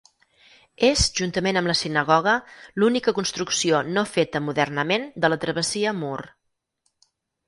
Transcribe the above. És, juntament amb la sinagoga, l'única construcció no feta modernament de la Travessia Mur.